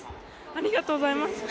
ありがとうございます。